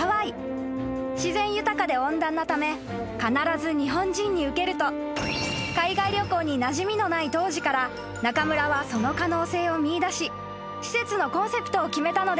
［自然豊かで温暖なため必ず日本人に受けると海外旅行になじみのない当時から中村はその可能性を見いだし施設のコンセプトを決めたのです］